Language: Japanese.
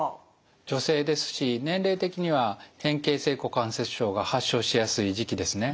女性ですし年齢的には変形性股関節症が発症しやすい時期ですね。